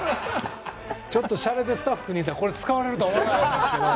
ちょっと、しゃれでスタッフに言ったらこれが使われるとは思わなかったですね。